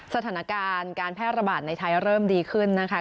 สถานการณ์การแพร่ระบาดในไทยเริ่มดีขึ้นนะคะ